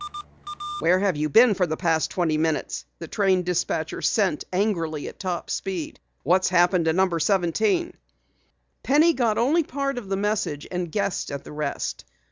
"Where have you been for the past twenty minutes?" the train dispatcher sent angrily at top speed. "What's happened to No. 17?" Penny got only part of the message and guessed at the rest.